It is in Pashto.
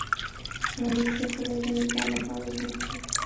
غریب د خدای د رضا لپاره ژوند کوي